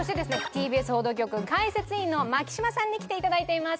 ＴＢＳ報道局解説委員の牧嶋さんに来ていただいています